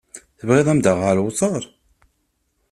Tebɣiḍ ad m-d-aɣeɣ lewṭer